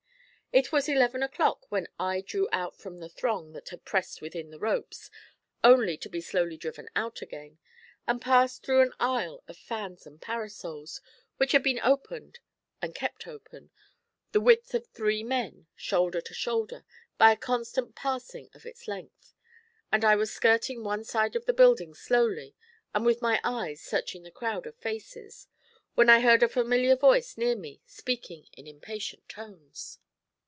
It was eleven o'clock when I drew out from the throng that had pressed within the ropes, only to be slowly driven out again, and passed through an aisle of fans and parasols, which had been opened and kept open, the width of three men, shoulder to shoulder, by a constant passing of its length; and I was skirting one side of the building slowly and with my eyes searching the crowd of faces, when I heard a familiar voice near me speaking in impatient tones.